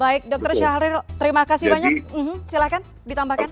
baik dokter syahril terima kasih banyak silahkan ditambahkan